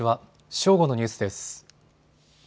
正午のニュースです。